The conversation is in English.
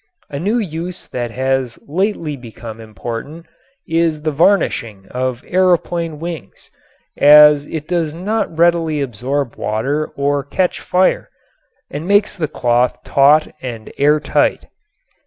A new use that has lately become important is the varnishing of aeroplane wings, as it does not readily absorb water or catch fire and makes the cloth taut and air tight.